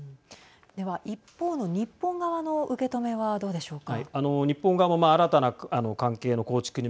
では一方の日本側の受け止めはどうでしょうか。